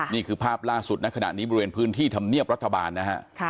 นี่คือภาพล่าสุดณขณะนี้บริเวณพื้นที่ธรรมเนียบรัฐบาลนะฮะ